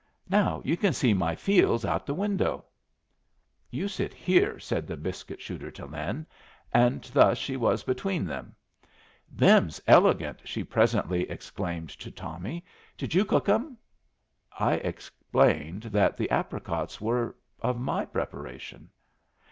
Now you can see my fields out of the window." "You sit here," said the biscuit shooter to Lin; and thus she was between them. "Them's elegant!" she presently exclaimed to Tommy. "Did you cook 'em?" I explained that the apricots were of my preparation.